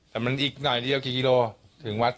แต่มันอีกหน่อยเดียวกี่กิโลถึงวัด